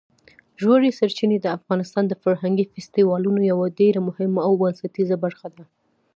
ژورې سرچینې د افغانستان د فرهنګي فستیوالونو یوه ډېره مهمه او بنسټیزه برخه ده.